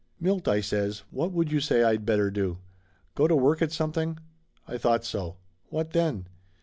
"Milt," I says, "what would you say I'd better do? Go to work at something? I thought so! What, then?